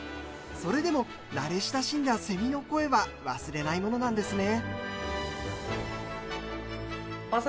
それでも慣れ親しんだセミの声は忘れないものなんですね。